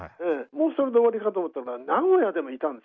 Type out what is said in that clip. もうそれで終わりかと思ったら名古屋でもいたんです。